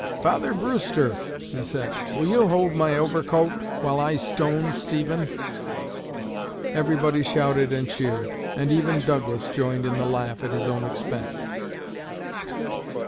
"Father Brewster," he said, "will you hold my overcoat while I stone Stephen?" Everybody shouted and cheered, and even Douglas joined in the laugh at his own expense.